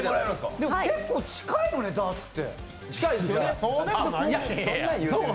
でも、結構近いよね、ダーツって。